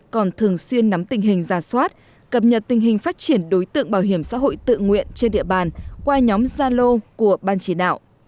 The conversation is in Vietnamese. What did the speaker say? còn thường xuyên nắm tình hình ra soát cập nhật tình hình phát triển đối tượng bảo hiểm xã hội tự nguyện trên địa bàn qua nhóm gia lô của ban chỉ đạo